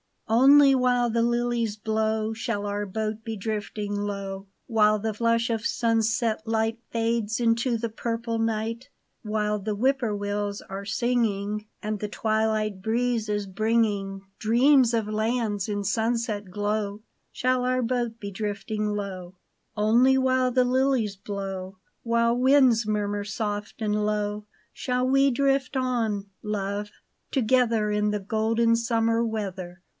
NLY while the lilies blow Shall our boat be drifting low ; While the flush of sunset light Fades into the purple night, While the whippoorwills are singing, And the twilight breeze is bringing Dreams of lands in sunset glow, Shall our boat be drifting low. Only while the lilies blow, While winds murmur soft and low. Shall we drift on, love, together In the golden summer weather.